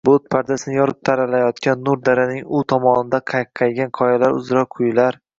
Bulut pardasini yorib taralayotgan nur daraning u tomonida qaqqaygan qoyalar uzra quyilar